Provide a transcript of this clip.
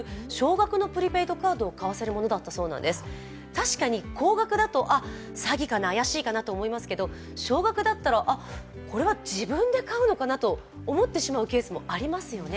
確かに、高額だと、詐欺かな、怪しいかなと思いますけど、少額だったら、自分で買うのかなって思ってしまうケースもありますよね。